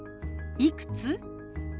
「いくつ？」。